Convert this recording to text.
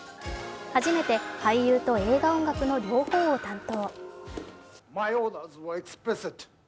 初めて俳優と映画音楽の両方を担当。